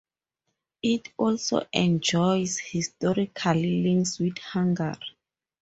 It also enjoys historical links with Hungary.